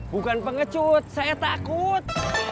bukan pengecut saya takut